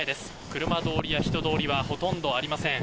車通りや人通りはほとんどありません。